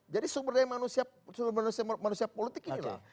jadi sumber daya manusia politik inilah